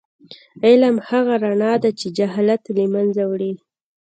علم هغه رڼا ده چې جهالت له منځه وړي.